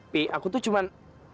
pi aku tuh cuman